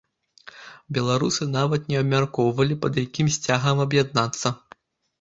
Беларусы нават не абмяркоўвалі, пад якім сцягам аб'яднацца.